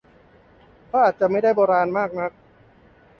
ก็อาจจะไม่ได้โบราณมากนัก